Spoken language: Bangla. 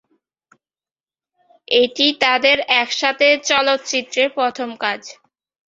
এটি তাদের একসাথে চলচ্চিত্রে প্রথম কাজ।